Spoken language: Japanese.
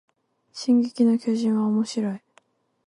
進撃の巨人はおもしろい